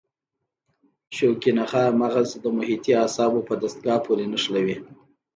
شوکي نخاع مغز د محیطي اعصابو په دستګاه پورې نښلوي.